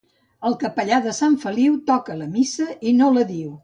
El capellà de Sant Feliu toca la missa i no la diu.